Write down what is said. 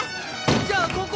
じゃあここ！